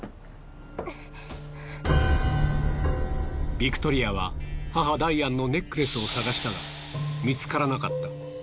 ビクトリアは母ダイアンのネックレスを探したが見つからなかった。